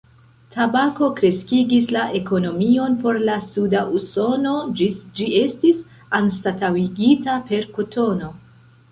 Tabako kreskigis la ekonomion por la suda Usono ĝis ĝi estis anstataŭigita per kotono.